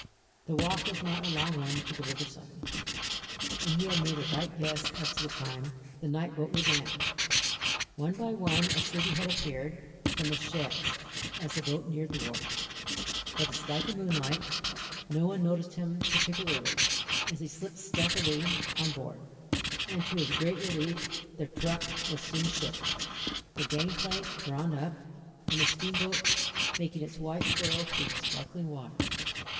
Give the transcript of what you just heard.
The walk was not a long one to the river side, and he had made a right guess as to the time the night boat would land. One by one a sleepy head appeared from the sheds as the boat neared the wharf, but despite the moonlight, no one noticed him particularly as he slipped stealthily on board, and to his great relief the truck was soon shipped, the gang plank drawn up, and the steamboat making its white furrow through the sparkling water.